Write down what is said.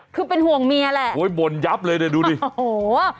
คือเป็นห่วงเมียแหละโอ้ยบ่นยับเลยเนี่ยดูดิโอ้โห